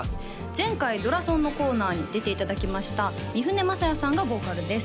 前回ドラソンのコーナーに出ていただきました三船雅也さんがボーカルです